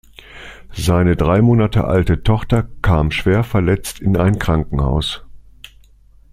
Seine drei Monate alte Tochter kam schwerverletzt in ein Krankenhaus.